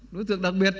đối tượng đặc biệt